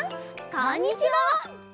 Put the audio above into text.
こんにちは！